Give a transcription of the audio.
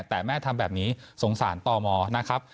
แต่แม่ทำแบบนี้สงสารตมนะครับ